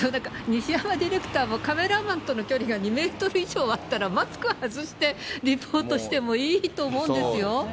西山ディレクターもカメラマンとの距離が２メートル以上あったら、マスクは外してリポートしてもいいと思うんですよ。